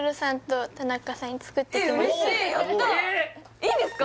いいんですか？